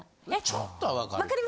ちょっとはわかる。